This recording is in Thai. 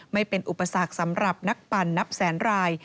ไม่เป็นอุปสรรคสำหรับนักปั่นนับแสนราย